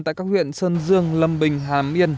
tại các huyện sơn dương lâm bình hà miên